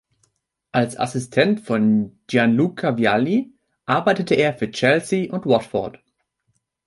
Als Assistent von Gianluca Vialli arbeitete er für Chelsea und Watford.